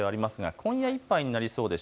今夜いっぱいになりそうです。